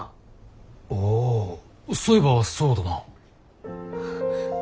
ああそういえばそうだな。